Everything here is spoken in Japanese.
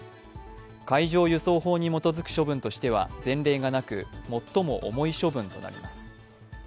海上輸送法に基づく処分としては前例がなく最も重い処分となります。